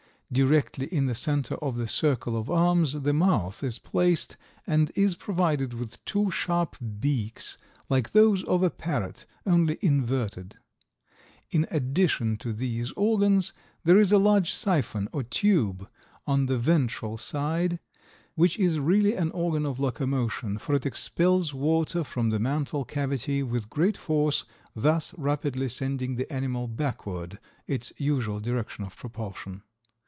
Directly in the center of the circle of arms the mouth is placed and is provided with two sharp beaks like those of a parrot, only inverted. In addition to these organs there is a large siphon or tube on the ventral side, which is really an organ of locomotion, for it expels water from the mantle cavity with great force, thus rapidly sending the animal backward, its usual direction of propulsion.